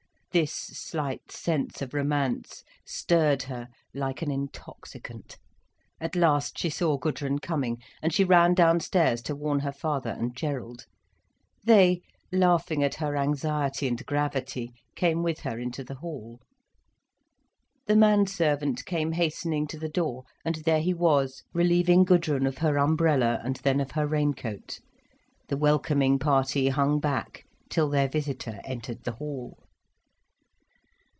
This slight sense of romance stirred her like an intoxicant. At last she saw Gudrun coming, and she ran downstairs to warn her father and Gerald. They, laughing at her anxiety and gravity, came with her into the hall. The man servant came hastening to the door, and there he was, relieving Gudrun of her umbrella, and then of her raincoat. The welcoming party hung back till their visitor entered the hall.